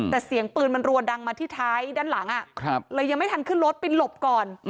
แต่เสียงปืนมันรัวดังมาที่ท้ายด้านหลังเลยยังไม่ทันขึ้นรถไปหลบก่อน